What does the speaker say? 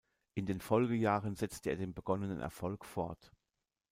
In den Folgejahren setzte er den begonnenen Erfolg fort.